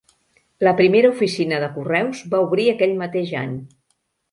La primera oficina de correus va obrir aquell mateix any.